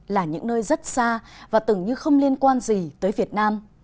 là những nơi rất xa và tưởng như không liên quan gì tới việt nam